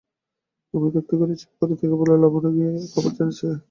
অমিত একটুখানি চুপ করে থেকে বললে, লাবণ্য কি এ খবর জেনেছে।